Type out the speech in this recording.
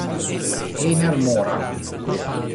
Heiner Mora